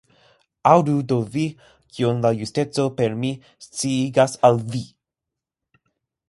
Aŭdu do vi, kion la justeco per mi sciigas al vi!